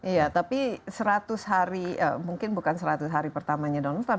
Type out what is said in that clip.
iya tapi seratus hari mungkin bukan seratus hari pertamanya donald trump